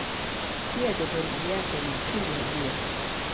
Pia jotoridi yake ni chini ya Jua.